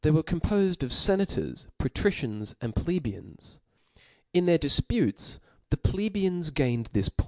^crc compofed of fenators, patricians, and pie beians. In their difputes the plebeians gained this Opionyf.